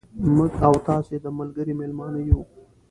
موږ او تاسو د ملګري مېلمانه یو.